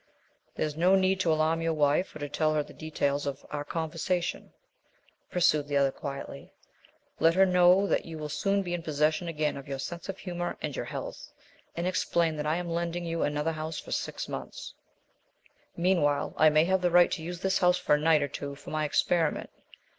"There is no need to alarm your wife or to tell her the details of our conversation," pursued the other quietly. "Let her know that you will soon be in possession again of your sense of humour and your health, and explain that I am lending you another house for six months. Meanwhile I may have the right to use this house for a night or two for my experiment.